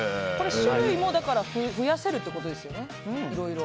種類も増やせるってことですよねいろいろ。